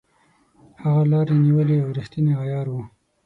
هغه لاري نیولې او ریښتونی عیار وو.